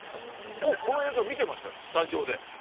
もうこの映像見てましたスタジオで。